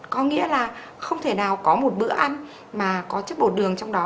có nghĩa là không thể nào có một bữa ăn mà có chất bột đường trong đó